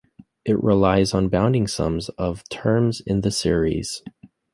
It relies on bounding sums of terms in the series.